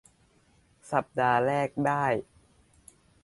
สัปดาห์แรกได้